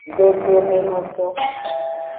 Dodomenoto.